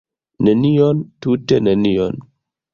Nenion, tute nenion!